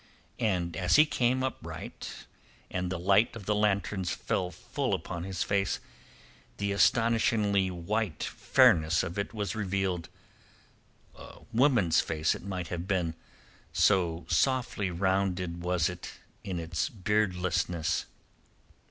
And as he came upright and the light of the lanterns fell full upon his face the astonishingly white fairness of it was revealed—a woman's face it might have been, so softly rounded was it in its beardlessness.